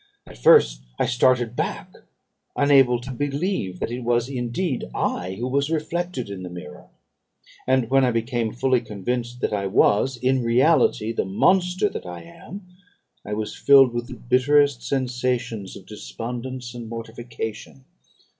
At first I started back, unable to believe that it was indeed I who was reflected in the mirror; and when I became fully convinced that I was in reality the monster that I am, I was filled with the bitterest sensations of despondence and mortification.